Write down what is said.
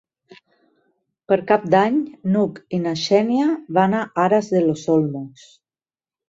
Per Cap d'Any n'Hug i na Xènia van a Aras de los Olmos.